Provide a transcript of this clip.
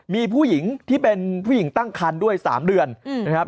มีผู้หญิงที่เป็นผู้หญิงตั้งคันด้วย๓เดือนนะครับ